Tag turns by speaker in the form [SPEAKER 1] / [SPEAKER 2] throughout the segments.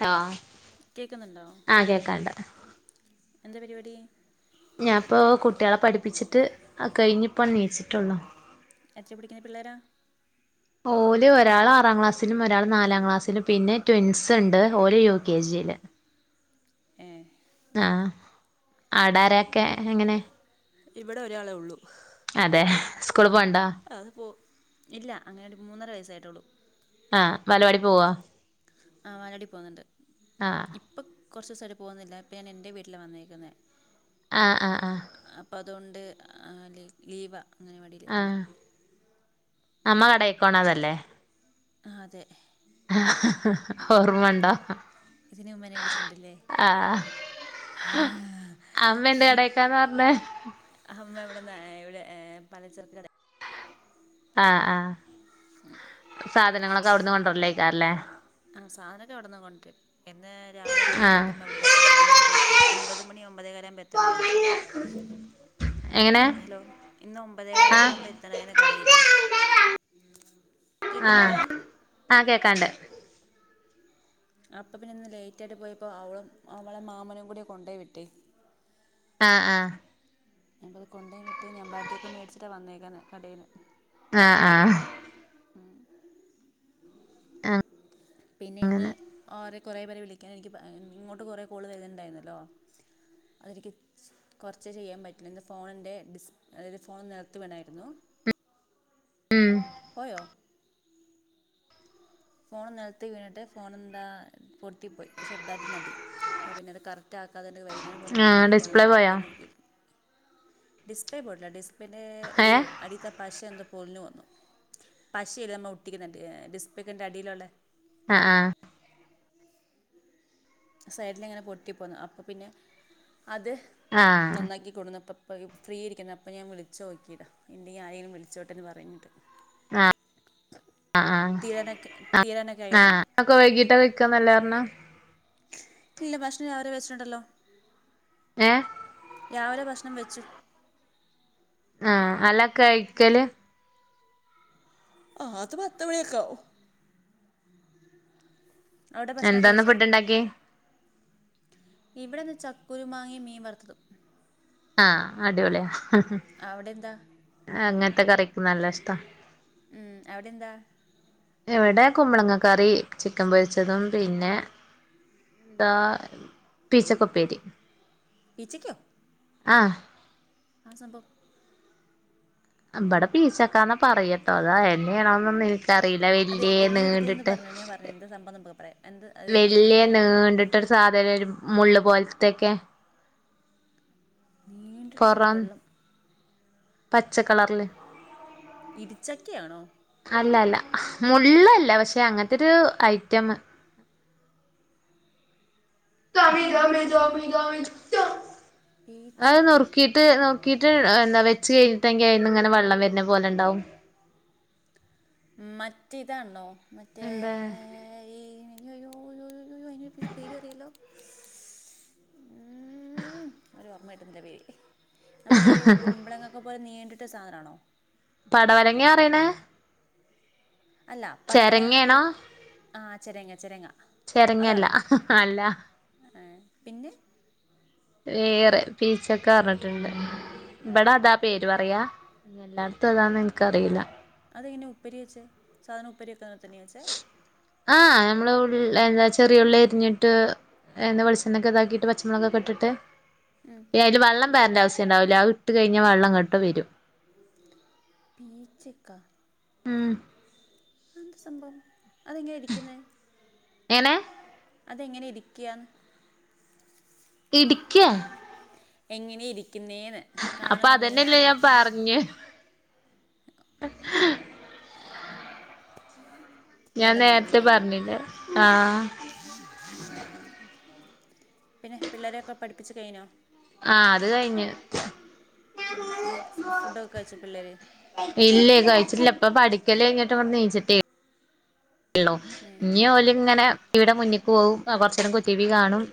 [SPEAKER 1] Hello
[SPEAKER 2] കേക്കുന്നുണ്ടാ
[SPEAKER 1] ആ കേക്കാണ്ട്
[SPEAKER 2] എന്താ പരിപാടി
[SPEAKER 1] ഞാനിപ്പോ കുട്ടികളെ പഠിപ്പിച്ചിട്ട് കയിഞ്ഞ് ഇപ്പം എനിച്ചിട്ടുള്ളൂ
[SPEAKER 2] എത്ര പടിക്കുന്ന പിള്ളേരാ
[SPEAKER 1] ഓല് ഒരാൾ ആറാം ക്ലാസ്സിലും ഒരാൾ നാലാം ക്ലാസ്സിലും പിന്നെ ട്വിൻസ് ഉണ്ട് ഓല് യു കെ ജിയില്
[SPEAKER 2] ഏ
[SPEAKER 1] ആഹ് ആടാരൊക്കെ എങ്ങനെ
[SPEAKER 2] ഇവിടെ ഒരാളെ ഉള്ളൂ
[SPEAKER 1] അതെ സ്കൂൾ പോവണ്ടോ
[SPEAKER 2] ആഹ് അത് പോ ഇല്ല അങ്ങനെ മൂന്നര വയസ്സായിട്ടുള്ളൂ
[SPEAKER 1] ആഹ് വാലവാടി പോവാ
[SPEAKER 2] ആ വാലവാടി പോകണ്ട്
[SPEAKER 1] ആഹ്
[SPEAKER 2] ഇപ്പം കുറച്ച് ദിവസമായിട്ട് പോകുന്നില്ല ഇപ്പം ഞാനെൻ്റെ വീട്ടിൽ വന്നേക്കുന്നത്
[SPEAKER 1] ആഹ് ആഹ് ആഹ്
[SPEAKER 2] അപ്പൊ അതുകൊണ്ട് ലി ലീവാ
[SPEAKER 1] ആഹ് അമ്മ കടക്കോണതല്ലേ
[SPEAKER 2] ആഹ് അതെ
[SPEAKER 1] അഹ് അഹ്
[SPEAKER 2] അതിന്
[SPEAKER 1] ഓർമണ്ടോ
[SPEAKER 2] ഇതിന് മുമ്പെ വിളിച്ചിട്ടുണ്ടില്ലേ
[SPEAKER 1] അമ്മന്ത്‌ [unintelligible] പറഞ്ഞേ
[SPEAKER 2] അമ്മ ഇവിടെന്ന് ഇവിടെ പലചർക്ക് കട
[SPEAKER 1] ആഹ് ആഹ് സാധനങ്ങളൊക്കെ അവിടന്ന് കൊണ്ടരലേക്കാറല്ലേ
[SPEAKER 2] ആ സാധനമക്കെ ഇവിടുന്ന് കൊണ്ടാരും ഇന്ന് രാവിലെ
[SPEAKER 1] ആ
[SPEAKER 2] ലേറ്റയിട്ട് അമ്മൾ ഇവിടുന്ന് പോയത് ഒമ്പരേയ്ക്ക് ഒമ്പത് മണി ഒമ്പതേകാലാവുമ്പം എത്തണേന്നും
[SPEAKER 1] എങ്ങനെ
[SPEAKER 2] ഹലോ ഇന്ന് ഒമ്പതേകാലൊക്കെ
[SPEAKER 1] ആഹ്
[SPEAKER 2] ആകുമ്പം എത്തണേന്നെ കടേലേ കേക്കുന്നില്ലാ
[SPEAKER 1] ആ കേക്കാണ്ടെ
[SPEAKER 2] അപ്പ പിന്നിന്നെലേറ്റായിട്ട് പോയപ്പം അവളും അവളെ മാമനും കൂടി കൊണ്ടോയി വിട്ടേ
[SPEAKER 1] ആ ആ
[SPEAKER 2] ഞാനിപ്പോ കൊണ്ടേ വിട്ട് നബാട്ടിയൊക്കെ മേടിച്ചിട്ടാ വന്നേക്കന്നെ കടേന്നെ
[SPEAKER 1] ആഹ് ആഹ് ആ
[SPEAKER 2] പിന്നിന്ന് ആരെ കൊറേ പേരെ വിളിക്കാൻ എനിക്ക് ഇങ്ങോട്ടെ കൊറേ കോള് വരുന്നുണ്ടായിരുന്നല്ലോ അതിനിക്ക് കൊറച്ചെ ചെയ്യാൻ പറ്റീന്നുള്ളൂ ഇന്ന് ഫോണിൻ്റെ ഡിസ് അതായത് ഫോൺ നിലത്തു വീണായിരുന്നു
[SPEAKER 1] ഉം
[SPEAKER 2] പോയോ ഫോണ് നിലത്ത് ലത്ത് വീണിട്ടെ ഫോണെന്താ പൊട്ടി പ്പോയി ചെറുതായിട്ട് നടി അപ്പോ പിന്നത് കറക്റ്റ് താക്കാതെന്റെ വൈകുന്നേരം പൊയി
[SPEAKER 1] ആഹ്
[SPEAKER 2] നന്നാക്കി
[SPEAKER 1] ഡിസ്പ്ലേ
[SPEAKER 2] കൊണ്ടന്നിട്ടെ ഇപ്പ
[SPEAKER 1] പോയോ
[SPEAKER 2] നാ ഡിസ്പ്ലേ പോയിട്ടില്ല ഡിസ് പിന്നേ ഒരു
[SPEAKER 1] ഏഹ്
[SPEAKER 2] അടിത്തെ പശ എന്തോ പൊളിഞ്ഞു വന്നു പശയില്ലേ നമ്മ ഒട്ടിക്കുന്നു ഡിസ്പേക്കൻ്റെ അടിയിലുള്ളേ
[SPEAKER 1] ആഹ് ആഹ്
[SPEAKER 2] സൈഡിലിങ്ങനെ പൊട്ടിപ്പോന്നു അപ്പപ്പിന്നെ അത്
[SPEAKER 1] ആഹ്
[SPEAKER 2] നന്നാക്കി കൊണ്ടു വന്നപ്പം അപ്പോ ഈ ഫ്രീയിരിക്കുന്നത് അപ്പം ഞാൻ വിളിച്ചു നോക്കിയതാ എന്തെയെ ആയേലും വിളിച്ചോട്ടെന്നു പറയ്ന്ന്ണ്ട്
[SPEAKER 1] ആഹ് ആഹ്
[SPEAKER 2] തീരാനൊക്കെ തീരാനൊക്കെ കഴിയാത്തത്തോണ്ട്
[SPEAKER 1] അക്ക വൈകീട്ടാ വെക്കാന്നല്ലെ പറഞ്ഞെ
[SPEAKER 2] ഇല്ല ഭക്ഷണം രാവിലെ വെച്ചിട്ടുണ്ടല്ലോ
[SPEAKER 1] ഏ
[SPEAKER 2] രാവിലെ ഭക്ഷണം വെച്ചു
[SPEAKER 1] ആ അല്ല കയ്ക്കല്
[SPEAKER 2] ആ അതു പത്തു മണി ഒക്കെ ആവും അവിടെ ഭക്ഷണൊക്കെ
[SPEAKER 1] എന്താന്ന്
[SPEAKER 2] കഴിച്ചോ
[SPEAKER 1] ഫുഡ് ഇണ്ടാക്കി
[SPEAKER 2] ഇവിടിന്ന് ചക്കുരു മാങ്ങേം മീൻ വറുത്തതും
[SPEAKER 1] ആ അടിപൊളിയാ ആ ഹ
[SPEAKER 2] അവിടെ എന്താ
[SPEAKER 1] ഹാ അങ്ങനത്തെ കറിക്കൊ നല്ലിഷ്ടമാ
[SPEAKER 2] ഉം അവിടെന്താ
[SPEAKER 1] ഇവിടെ കുമ്പളങ്ങ കറി ചിക്കൻ പൊരിച്ചതും പിന്നെ
[SPEAKER 2] [unintelligible]
[SPEAKER 1] ആ പീശക്കുപ്പേരി
[SPEAKER 2] പീച്ചിയ്ക്കോ
[SPEAKER 1] ആ
[SPEAKER 2] ആ സമ്പം
[SPEAKER 1] അമ്പാട് പീച്ചക്കാന്നാ പറയട്ടോ അതാ എന്നെയണോന്നെ ക്കറിയില്ല
[SPEAKER 2] അത്
[SPEAKER 1] വല്യ
[SPEAKER 2] എങ്ങനെ ഇരിക്കുന്നതെന്ന്
[SPEAKER 1] നീണ്ടിട്ട്
[SPEAKER 2] പറഞ്ഞോ ഞാൻ പറഞ്ഞു എന്താ സംഭവം നമുക്ക് പറയാം എന്ത് അത് എങ്ങനെ
[SPEAKER 1] വല്യ
[SPEAKER 2] ഇരിക്കുന്നത്
[SPEAKER 1] നീണ്ടിട്ട് ട്ടൊരു സാധനം മുള്ളു പോലത്തെക്കെ
[SPEAKER 2] നീണ്ടിട്ട് സാനം വെള്ളം
[SPEAKER 1] പച്ചക്കളർ
[SPEAKER 2] ഇടിച്ചക്കാണോ
[SPEAKER 1] അല്ലല്ല മുള്ളല്ല പക്ഷെ അങ്ങനത്തൊരു ഐറ്റമെ
[SPEAKER 2] ആ മുള്ളുള്ള
[SPEAKER 1] അത്
[SPEAKER 2] പീച്ചയ്ക്കോ
[SPEAKER 1] നുറുക്കീട്ടെ ഇട്ട് നോക്കിട്ടെ എന്താ വെച്ച് കഴിഞ്ഞട്ടെങ്കി അയീന്നിങ്ങനെ വെള്ളം വരുന്നപോലെണ്ടാവും
[SPEAKER 2] മറ്റിതാണോ മറ്റേ
[SPEAKER 1] എന്താ
[SPEAKER 2] ഈ അയ്യയ്യോ അയ്യോയ്യോ അയിനൊരു പേരു പറേല്ലോ ഊമമ് ഒരു ഓർമ്മ കിട്ടുന്നില്ല പേര് നമ്മയീ കുമ്പളങ്ങൊക്കെ പോലെ നീണ്ടിട്ട് സാധനാണോ
[SPEAKER 1] പടവലങ്ങ്യറിനെ?
[SPEAKER 2] അല്ല പടവലെനെ കൂ
[SPEAKER 1] ചെരങ്ങയാണോ
[SPEAKER 2] ആ ചെരങ്ങ ചെരങ്ങ
[SPEAKER 1] ചെരങ്ങല്ല
[SPEAKER 2] അതാണോ
[SPEAKER 1] അല്ല
[SPEAKER 2] ഏ പിന്നെ?
[SPEAKER 1] വേറെ പീച്ചക്ക പർഞ്ഞിട്ണ്ട് ഇവ്ടെ അതാ പേര് പറയാ. ഇത് അതാണെന്ന് എനിക്കറില്ല.
[SPEAKER 2] അതെങ്ങനെയ ഉപ്പരി വെച്ചേ സാധനം ഉപ്പരി ഒക്കെ തന്നെയാ വെച്ചേ?
[SPEAKER 1] ആഹ് ഞമ്മള് ഉള് എന്താ ചെറിയ ഉള്ളി എര്ഞ്ഞ്ട്ട് എണ്ണെ വെളിച്ചണ്ണോക്കെ ഇതാക്കീട്ട് പച്ചമുളകോക്കെ ഇട്‌ട്ട്.
[SPEAKER 2] മ്
[SPEAKER 1] ഏ അയ്ല് വള്ളംപാരണ്ടെ ആവ് സ്യം ഇണ്ടാവൂല അഇട്ട് കയ്ഞ്ഞാ വള്ളം ങ്ങട്ട് വരും.
[SPEAKER 2] പീച്ചിക്ക.
[SPEAKER 1] മ്.
[SPEAKER 2] അതെഎന്ത് സംഭവം അതെങ്ങയാ ഇരിക്കിന്നെ
[SPEAKER 1] എങ്ങനെ
[SPEAKER 2] അതെങ്ങനെ ഇരിക്യാ?
[SPEAKER 1] ഇട്ക്യാ?
[SPEAKER 2] എങ്ങനെ ഇരിക്കിന്നേന്ന്?
[SPEAKER 1] അപ്പ അതെന്നെല്ലേ ഞാൻ പർഞെ. ഞാൻ
[SPEAKER 2] മുള്ള മാതിരി
[SPEAKER 1] നേര്ത്തെ
[SPEAKER 2] അല്ലേ
[SPEAKER 1] പറഞ്ഞില്ലേ ആഹ്
[SPEAKER 2] പിന്നെ പിള്ളേരൊക്കെ പഠിപ്പിച്ച് കയ്ഞ്ഞോ?
[SPEAKER 1] ആഹ് അത് കഴിഞ്ഞ്
[SPEAKER 2] മ് ഫുഡൊക്കെ കയിച്ച പിള്ളേര്?
[SPEAKER 1] ഇല്ലേ കഴിച്ചില്ല ഇപ്പ പഠിക്കല യ്ഞ്ഞട്ട്ബടെന്ന്ച്ചിട്ടേ ള്ളോ ഇഞ്ഞി ഓൽ ഇങ്ങനെ ടിവിടെ മുന്ന്ക്ക് പോവും കുറച്ചരം കൊച്ചു ടീവി കാണും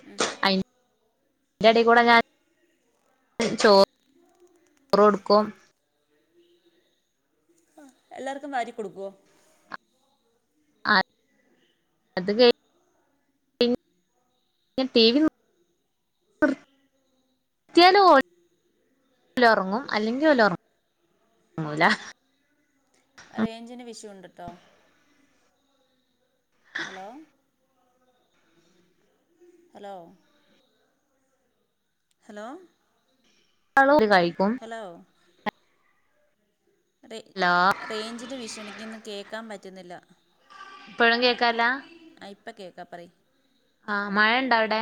[SPEAKER 1] അയ് യന്റെ ടി കൂടെ ഞാൻ ചോറ് റൊടുക്കും.
[SPEAKER 2] ആ എല്ലാർക്കും നാരി കൊടുക്കൊ?
[SPEAKER 1] [unintelligible] [unintelligible] ലൊറങ്ങും അല്ലെങ്കിൽ ഓലറങ് റങ്ങുല.
[SPEAKER 2] റെയ്ഞ്ചിന് വിഷംണ്ട്ട്ടോ. Hello hello. ഹലോ.
[SPEAKER 1] [unintelligible] കഴിക്കും
[SPEAKER 2] ഹലോ റേ
[SPEAKER 1] ഹലോ
[SPEAKER 2] റേഞ്ചിന് വിശണ്ട് ഇക്കൊന്നും കേക്കാൻ പറ്റ്ന്നില്ല.
[SPEAKER 1] ഇപ്പോഴും കേക്കാല്ല?
[SPEAKER 2] ആ ഇപ്പ കേക്കാ പറയ്
[SPEAKER 1] ആഹ് മയണ്ടോ അവ്ടെ?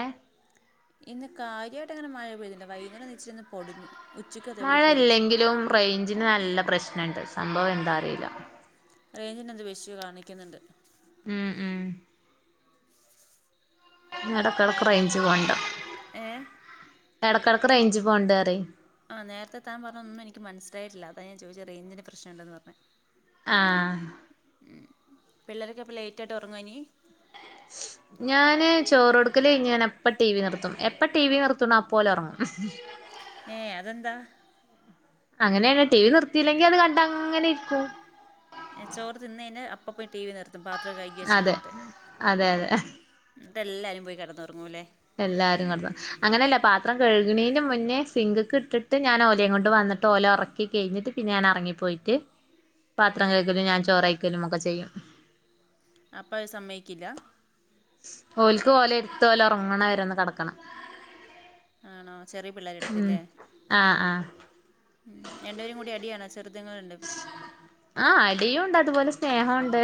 [SPEAKER 2] ഇന്ന് കാര്യയിട്ട് അങ്ങനെ മഴ പെയ്തില്ല വൈകുന്നേര ഇച്ചിരിഒന്ന് പൊടിഞ്ഞു. ഉച്ചയ്ക്ക് അതേപോലെ
[SPEAKER 1] മഴ
[SPEAKER 2] പൊടിച്ചു
[SPEAKER 1] ഇല്ലെങ്കിലും റേഞ്ചിന് നല്ല പ്രശ്നുണ്ട് സംഭവം എന്താ അറിയില്ല.
[SPEAKER 2] റേഞ്ചിനെന്ത്യേ ഇഷ്യൂ കാണിക്ക്ന്ന്ണ്ട്.
[SPEAKER 1] മ് മ് ഇടക്കിടക്ക് റേഞ്ച് പോവ്ണ്ട്
[SPEAKER 2] ഏ?
[SPEAKER 1] ഇടക്കിടക്ക് റേഞ്ച് പോണ്ടറ.
[SPEAKER 2] ആ നേരത്തെ താൻ പറഞ്ഞ ഒന്നും എനിക്ക് മനസിലായിട്ടില്ല അത ഞാൻ ചോദിച്ച റേഞ്ചിന് പ്രശ്നംണ്ടെന്ന് പറഞ്ഞ.
[SPEAKER 1] ആഹ്
[SPEAKER 2] ഉം പിള്ളേരൊക്കെ അപ്പ ലേറ്റായിട്ടാ ഉറങ്ങാഇനി
[SPEAKER 1] ഞാന് ചോറൊടുക്കല്യ്ഞ്ഞ് ഞാൻ അപ്പ ടി വി നിർത്തും എപ്പ ടി വി നിർത്ണ അപ്പ ഓലൊർങ്ങും.
[SPEAKER 2] ഏ അതെന്താ?
[SPEAKER 1] അങ്ങനേണ് ടി വി നിർത്തില്ലെങ്കി അത് കണ്ടങ്ങനെ ഇരിക്കും.
[SPEAKER 2] ചോറ് തിന്ന കഴിഞ്ഞാൽ അപ്പ പോയി ടി വി നിർ തും പാത്രം കഴകി വച്ച്
[SPEAKER 1] അതെ
[SPEAKER 2] വന്നിട്ട്
[SPEAKER 1] അതെ അതെ
[SPEAKER 2] എന്നിട്ട് എല്ലാരും പോയി കെടന്നൊറങ്ങൂല്ലേ
[SPEAKER 1] എല്ലാരും കടന്നു അങ്ങനെയല്ല പാത്രം കഴുകണെന് മുന്നേ സിങ്കക്കെ ഇട്ടിട്ട് ഞാൻ ഓലയും കൊണ്ട് വന്നിട്ട് ഓല ഒറ പ്പിക്കാ കഴിഞ്ഞിട്ട് പിന്നെ ഞനറങ്ങിപ്പോയിട്ട് പാത്രം കഴിക്കലും ഞാൻ ചോറക്കയിക്കലും ഒക്കെ ചെയ്യും
[SPEAKER 2] അപ്പ അത് സമ്മയിക്കില്ല
[SPEAKER 1] ഓൽക്ക് ഓലെ എടുത്ത് ഓല് ഒറങ്ങണ വരന്ന് കെടക്കണം
[SPEAKER 2] ആണോ ചെറിയ പിള്ളേരെ
[SPEAKER 1] ഉം
[SPEAKER 2] എടുത്തില്ലേ
[SPEAKER 1] ആഹ് ആഹ്
[SPEAKER 2] രണ്ടേരും കൂടി അടിയാണോ ചെറുതങ്ങളുരണ്ടും
[SPEAKER 1] ആഹ അടിയും ഉണ്ട് അതുപോലെ സ്നേഹുണ്ട്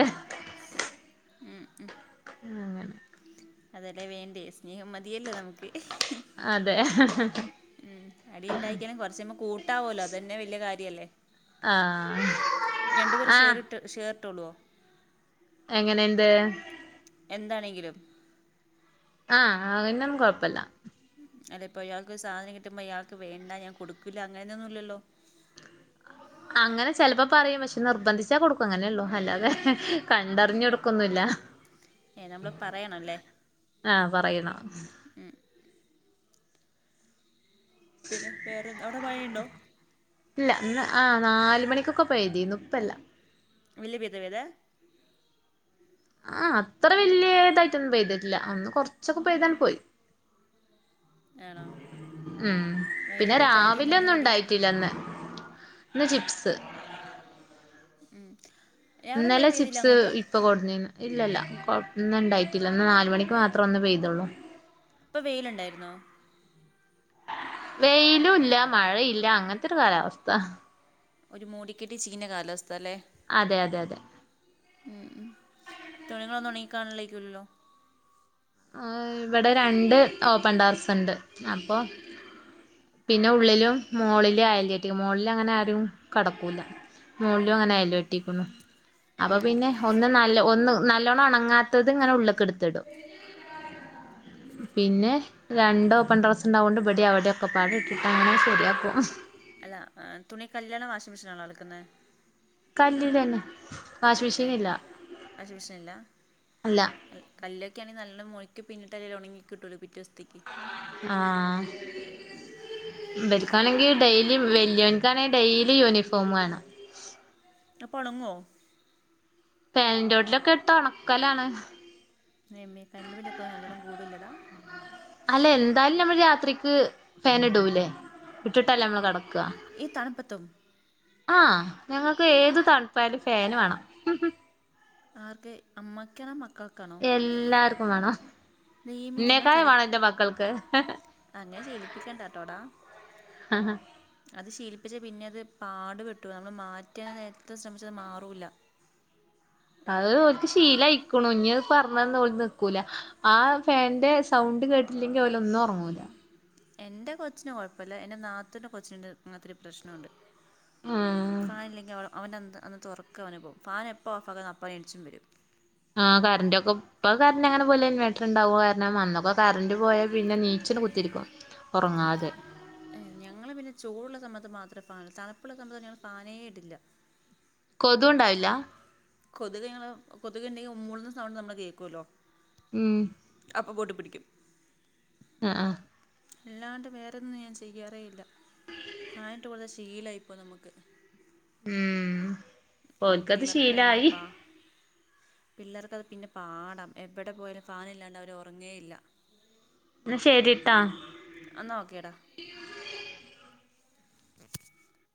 [SPEAKER 2] ഉം ഉം
[SPEAKER 1] അങ്ങനെ
[SPEAKER 2] അതല്ലേ വേണ്ടേ സ്നേഹം മതിയല്ലോ നമുക്ക്
[SPEAKER 1] അതെ
[SPEAKER 2] ഉം അടി ഉണ്ടായിക്കാലും കൊറച്ചുമ്പോ കൂട്ടാവല്ലോ അതന്നെ വല്ല്യ കാര്യം അല്ലേ
[SPEAKER 1] ആഹ് ആഹ്
[SPEAKER 2] ഷേർ ഇട്ടോളുവോ
[SPEAKER 1] എങ്ങനെ എന്ത്
[SPEAKER 2] എന്താണെങ്കിലും
[SPEAKER 1] ആഹ് അതിനനും കൊഴപ്പില്ല
[SPEAKER 2] അല്ലെ ഇപ്പൊ ഇയാൾക്ക് സാധനം കിട്ടുമ്പോ ഇയാൾക്ക് വേണ്ട ഞാൻ കൊടുക്കൂല്ല അങ്ങനെയൊന്നുല്ലല്ലോ
[SPEAKER 1] അങ്ങനെ ചെലപ്പോ പറയും പക്ഷെ നിർബന്ധിച്ചാ കൊടുക്കും അങ്ങനെള്ളൂ അല്ലാതെ കണ്ടറിഞ്ഞെടുക്കൊന്നില്ല
[SPEAKER 2] ഏ നമ്മൾ പറയണമല്ലേ
[SPEAKER 1] ആഹ പറയണം
[SPEAKER 2] പിന്നെ വേറെന്താ അവിടെ മഴയുണ്ടോ
[SPEAKER 1] ഇല്ല ഇന്ന് ആ നാല് മണിക്കൊക്കെ പെയ്തീന്നു ഇപ്പംല്ലാ
[SPEAKER 2] വെല്ല്യ പെയ്ത്ത പെയ്തേ
[SPEAKER 1] ആ അത്ര വല്യയ ഇതായിട്ടൊന്നും പെയ്തിട്ടില്ല അന്ന് കൊറച്ചൊക്കെ പെയ്തങ് പോയി
[SPEAKER 2] ആണോ
[SPEAKER 1] ഉം പിന്നെ
[SPEAKER 2] വൈകുന്നേരത്തെ ഈ ചായക്ക്
[SPEAKER 1] രാവിലെ
[SPEAKER 2] എന്തായിരുന്നു
[SPEAKER 1] ഒന്നും
[SPEAKER 2] കടി
[SPEAKER 1] ഉണ്ടായിട്ടില്ലന്ന് ഇന്ന് ചിപ്സ്
[SPEAKER 2] ഉം രാവിലെ മഴ
[SPEAKER 1] ഇന്നലെ
[SPEAKER 2] പെയ്തില്ല
[SPEAKER 1] ചിപ്സ്
[SPEAKER 2] അങ്ങോട്ട്
[SPEAKER 1] ഇപ്പ കൊടുനി ന്ന് ഇല്ല ഇല്ല കൊ ഇണ്ടായിട്ടില്ല ഒന്ന് നാല് മണിക്ക് മാത്ര ഒന്ന് പേയ്തൊള്ളൂ
[SPEAKER 2] ഇപ്പൊ വെയിലുണ്ടായിരുന്നോ
[SPEAKER 1] വെയിലുല്ല മഴയില്ല അങ്ങനത്തെ ഒരു കാലാവസ്ഥ
[SPEAKER 2] ഒരു മൂടിക്കെട്ടി ചീഞ കാലാവസ്ഥ അല്ലേ
[SPEAKER 1] അതെ അതെ അതെ
[SPEAKER 2] ഉം ഉം തുണികളൊന്നും ഒണങ്ങിക്കാണില്ലായിരിക്കൂലല്ലോ
[SPEAKER 1] ഇവിടെ രണ്ട് ഓപൺ ടെറസ് ഉണ്ട് അപ്പൊ പിന്നെ ഉള്ളിലും മോളില് അയല് കെട്ടി മോളില് അങ്ങനെ ആരും കടക്കൂല്ല മോളിലും അങ്ങനെ അയല് കെട്ടിക്കുന്നു അപ്പോൾ
[SPEAKER 2] ഉം.
[SPEAKER 1] പിന്നെ ഒന്ന് നല്ല ഒന്ന് നല്ലോണ്ണം ഒണങ്ങാത്തത് ഇങ്ങനെ ഉള്ളക്ക് എടുത്തിടും പിന്നെ രണ്ട് ഓപ്പൺ ടെറസ് ഉണ്ടായകൊണ്ട് ഇവടെ അവിടെക്കെ പാട ഇട്ടിട്ട് അങ്ങനെ ശരിയാക്കും
[SPEAKER 2] അല്ല തുണി കല്യാലാണോ വാഷിങ് മെഷീലാണോ ലക്കുന്നെ
[SPEAKER 1] കല്ലിൽ ലന്നെ വാഷിങ്
[SPEAKER 2] ഏഹ്
[SPEAKER 1] മെഷീൻ ഇല്ല
[SPEAKER 2] വാഷിംഗ് ഇല്ല
[SPEAKER 1] അല്ല
[SPEAKER 2] കല്ലൊക്കെ ആണെ നല്ലോം മോഴ്ക്കി പിന്നിട്ടലല്ലേ ഒണങ്ങി കിട്ടുള്ളൂ പിറ്റെസ്തേയ്ക്ക്
[SPEAKER 1] ആഹ് ഇവൽക്കാണെങ്കിൽ ഡെയിലി വല്ല്യോൻക്കാണെങ്കിൽ ഡെയിലി യൂണിഫോമാണ്
[SPEAKER 2] അപ്പോ ഒണങ്ങോ
[SPEAKER 1] ഫാന്റോട്ടിലൊക്കെ ഇട്ട് ഒണക്കലാണ്
[SPEAKER 2] നമ്മ കരണ്ട് ബില്ലൊക്കെ നല്ലണം കൂടുല്ലടാ
[SPEAKER 1] അല്ലെ എന്തായാലും നമ്മൾ രാത്രിക്ക് ഫാൻ ഇടൂല്ലേ ഇട്ടിട്ടല്ലേ നമ്മള് കെടക്ക
[SPEAKER 2] ഈ തണുപ്പത്തും
[SPEAKER 1] ആഹാ ഞങ്ങക്കേത് തണുപ്പായാലും ഫേന് വേണം.
[SPEAKER 2] ആർക്ക് അമ്മയ്ക്കാണോ? മക്ക
[SPEAKER 1] എല്ലാർക്കും വേണം
[SPEAKER 2] ദൈവമേ ഞങ്ങൾ
[SPEAKER 1] എന്നേക്കായും
[SPEAKER 2] തിരി
[SPEAKER 1] വേണം എന്റെ മക്കൾക്ക്.
[SPEAKER 2] അങ്ങനെ ശീലിപ്പിക്കണ്ട കേട്ടോടാ
[SPEAKER 1] അഹാ
[SPEAKER 2] അത് ശീലിപ്പിച്ചാ പിന്നെ അത് പാടുപെട്ടു പോവും നമ്മള് മാറ്റാനെത്ര ശ്രമിച്ചാലും അത് മാറൂല്ല
[SPEAKER 1] അഹ് ഓൽക്ക് ശീലായിക്കുണു ഇഞ്ഞത് പറഞ്ഞാന്നോല് നിക്കൂല ആ ഫാന്റെ സൗണ്ട് കേട്ടില്ലെങ്കി ഓലൊന്നും ഒറങ്ങൂല
[SPEAKER 2] എൻ്റെ കൊച്ചിന് കൊഴപ്പല്ല എന്റെ നാത്തൂന്റെ കൊച്ചിനു അങ്ങനത്തെ രു പ്രശ്നണ്ട്.
[SPEAKER 1] ആഹ്
[SPEAKER 2] ഫാനില്ലെങ്കിൽ അവ അവന്റെ അന്ന് ഒർക്കാപോവും ഫാൻ എപ്പോ ഓഫാക്കാന്നൊ അപ്പ എണിച്ചും വരും.
[SPEAKER 1] ആഹ് കർൻ്റൊക്കൊം- ഇപ്പൊ കറണ്ടങ്ങനെ പോയാലും ഇൻവെർട്ടർണ്ടാവും കാരണം അന്നൊക്കെ കരണ്ട് പോയാ പിന്നെ നീച്ചിട് കുത്തിരിക്കും ഒറങ്ങാതെ.
[SPEAKER 2] ഞങ്ങള് പിന്നെ ചൂടുള്ള സമയത്ത് മാത്രേ ഫാൻ തണുപ്പുള്ള സമയത്ത് ഞങ്ങൾ ഫാനേ ഇടില്ല.
[SPEAKER 1] കൊതുണ്ടാവില്ലാ?
[SPEAKER 2] കൊതുകി കൊതുക ഉണ്ടെങ്കിൽ മൂളുന്ന സൗണ്ട് നമ്മള് കേൾക്കുല്ലോ?
[SPEAKER 1] ഉം
[SPEAKER 2] അപ്പോ ബോട്ട് പിടിക്കും.
[SPEAKER 1] ആഹ് ആഹാ.
[SPEAKER 2] അല്ലാണ്ട് വേറൊന്നും ഞാൻ ചെയ്യാറേ ഇല്ല ഫാനിട്ട് കൊടുത്ത് ശീലായിപ്പൊം നമ്മക്ക്.
[SPEAKER 1] ഉം
[SPEAKER 2] ആ
[SPEAKER 1] ഓൽക്കത്
[SPEAKER 2] പിള്ളേർക്ക് ഭയങ്കര
[SPEAKER 1] ശീലായി?
[SPEAKER 2] പാ പിള്ളേർക്കത് പിന്നെ പാട എവിടെ പോയാലും ഫാാനില്ലാണ്ട് അവര് ഒറങ്ങേയില്ല.
[SPEAKER 1] ന്നാ ശരിട്ടാ.
[SPEAKER 2] അന്നാ ഓക്കെടാ. [inaudible]